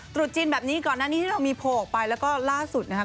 ตรุษจีนแบบนี้ก่อนหน้านี้ที่เรามีโผล่ออกไปแล้วก็ล่าสุดนะครับ